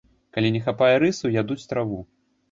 Калі не хапае рысу, ядуць траву.